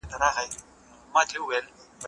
چپنه د مور له خوا پاکه کيږي!؟